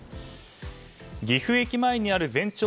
岐阜駅前にある全長